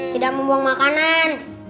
tidak membuang makanan